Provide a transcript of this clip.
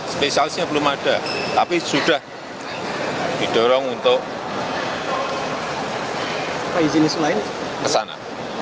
spesialisnya belum ada tapi sudah didorong untuk ke sana